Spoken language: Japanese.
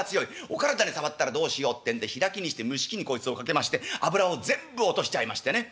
お体に障ったらどうしようってんで開きにして蒸し器にこいつをかけまして脂を全部落としちゃいましてね